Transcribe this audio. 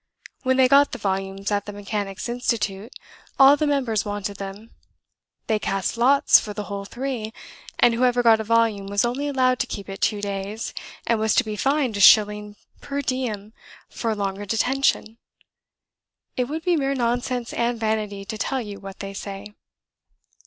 When they got the volumes at the Mechanics' Institute, all the members wanted them. They cast lots for the whole three, and whoever got a volume was only allowed to keep it two days, and was to be fined a shilling per diem for longer detention. It would be mere nonsense and vanity to tell you what they say."